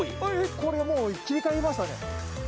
これもう切り替わりましたね